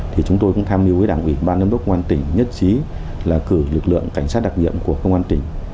thì chúng tôi cũng tham mưu với đảng ủy ban giám đốc công an tỉnh nhất trí là cử lực lượng cảnh sát đặc nhiệm của công an tỉnh